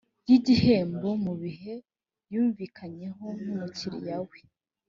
y igihembo mu bihe yumvikanyeho n umukiriya we